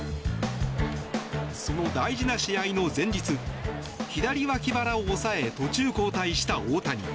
その大事な試合の前日左脇腹を押さえ途中交代した大谷。